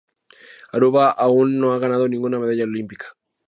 Aruba aún no ha ganado ninguna medalla olímpica.